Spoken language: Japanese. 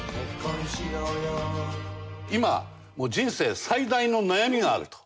今人生最大の悩みがあると。